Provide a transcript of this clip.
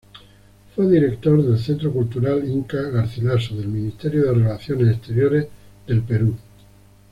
Fue director del Centro Cultural Inca Garcilaso del Ministerio de Relaciones Exteriores del Perú.